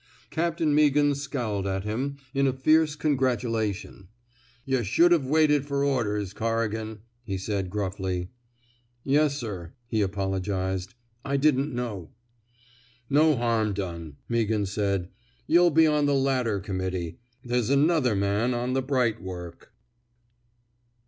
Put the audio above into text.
Captain Meaghan scowled at him, in a fierce congratulation. Yuh should Ve waited fer orders, Corrigan," he said, gruffly. '* Yes, sir,'* he apologized. I didn't know." No harm done," Meaghan said. Yuh '11 be on the ladder committee. There's another man on the bright work."